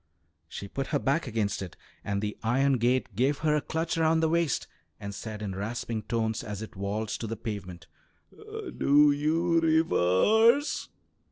She put her back against it, and the iron gate gave her a clutch around the waist, and said, in rasping tones, as it waltzed to the pavement, "Do you reverse?"